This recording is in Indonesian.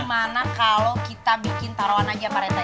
gimana kalo kita bikin taruhan aja pak rete